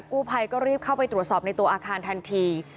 กู้ภัยก็รีบเข้าไปตรวจสอบในตัวอาคารทันที